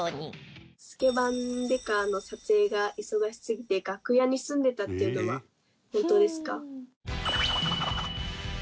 『スケバン刑事』の撮影が忙しすぎて楽屋に住んでたっていうのは本当ですか？